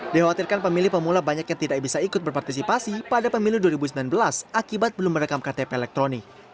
dikhawatirkan pemilih pemula banyak yang tidak bisa ikut berpartisipasi pada pemilu dua ribu sembilan belas akibat belum merekam ktp elektronik